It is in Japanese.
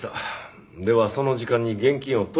ではその時間に現金を取りに来ます。